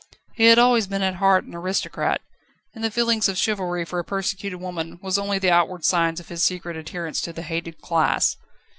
He had always been at heart an aristocrat, and the feeling of chivalry for a persecuted woman was only the outward signs of his secret adherence to the hated class.